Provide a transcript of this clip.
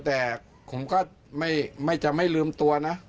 แต่ผมก็ไม่จะไม่ลืมตัวนะ